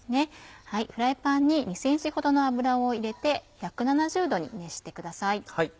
フライパンに２ｃｍほどの油を入れて１７０℃に熱してください。